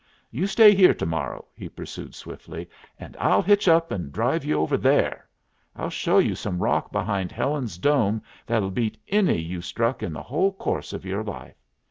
"You stay here to morrow," he pursued, swiftly, "and I'll hitch up and drive you over there. I'll show you some rock behind Helen's Dome that'll beat any you've struck in the whole course of your life.